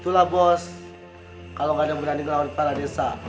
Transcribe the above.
itulah bos kalau nggak ada yang berani ngelawan kepala desa